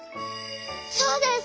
そうです！